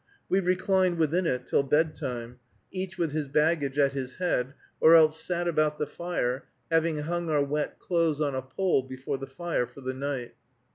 We reclined within it till bedtime, each with his baggage at his head, or else sat about the fire, having hung our wet clothes on a pole before the fire for the night.